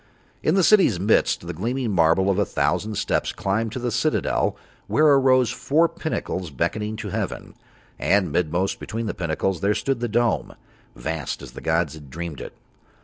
In the city's midst the gleaming marble of a thousand steps climbed to the citadel where arose four pinnacles beckoning to heaven, and midmost between the pinnacles there stood the dome, vast, as the gods had dreamed it.